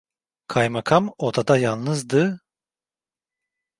Kaymakam odada yalnızdı…